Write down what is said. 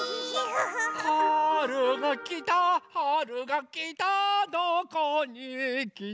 「はるがきたはるがきたどこにきた」